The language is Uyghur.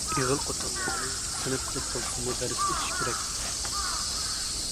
ئېغىل قوتانلارنى سىنىپ قىلىپ بولسىمۇ دەرس ئۆتۈش كېرەك.